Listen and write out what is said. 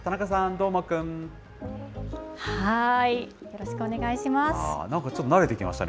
よろしくお願いします。